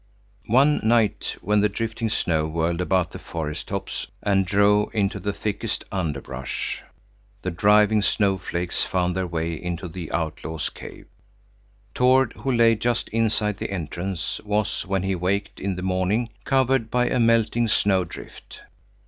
One night, when the drifting snow whirled about the forest tops and drove into the thickest underbrush, the driving snowflakes found their way into the outlaws' cave. Tord, who lay just inside the entrance, was, when he waked in the morning, covered by a melting snowdrift.